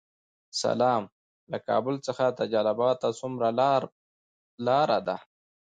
سلام، له کابل څخه تر جلال اباد څومره لاره ده؟